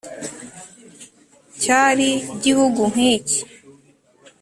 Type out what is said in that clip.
cyari gihugu nk’iki